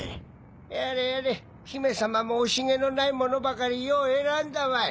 やれやれ姫様も惜しげのない者ばかりよう選んだわい。